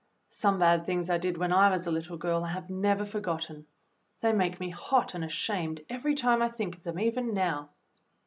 Some bad things I did when I was a little girl I have never forgotten. They make me hot and ashamed every time I think of them even now."